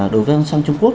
đối với ông sang trung quốc